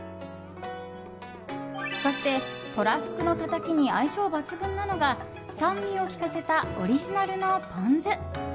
そして、とらふくのたたきに相性抜群なのが酸味を利かせたオリジナルのポン酢。